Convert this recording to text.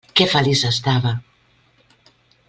Que feliç estava!